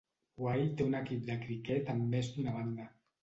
Wye té un equip de criquet amb més d'una banda.